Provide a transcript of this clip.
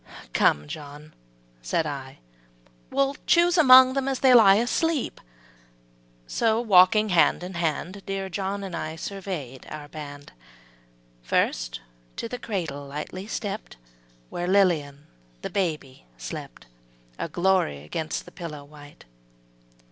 ``Come, John,'' said I, ``We'll choose among them as they lie Asleep''; so, walking hand in hand, Dear John and I survey'd our band. First to the cradle lightly stepp'd, Where Lilian the baby slept, A glory 'gainst the pillow white.